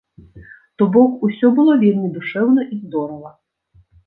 То бок усё было вельмі душэўна і здорава.